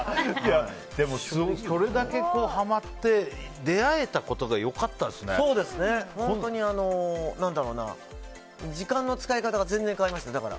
でもそれだけはまって出会えたことが本当に時間の使い方が全然変わりました。